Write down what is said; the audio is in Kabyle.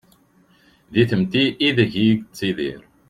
Di tmetti ideg-i yettidir.